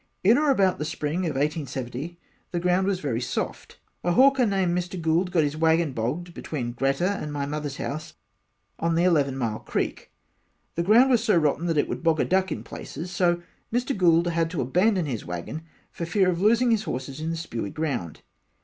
In or about the spring of 1870 the ground was very soft a hawker named Mr Gould got his waggon bogged between Greta and my mother's house on the eleven mile creek, the ground was that rotten it would bog a duck in places so Mr. Gould had abandon his waggon for fear of loosing his horses in the spewy ground.